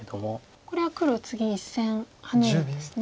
これは黒次１線ハネるんですね。